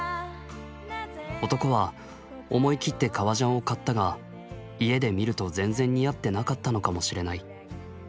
男は思い切って革ジャンを買ったが家で見ると全然似合ってなかったのかもしれない。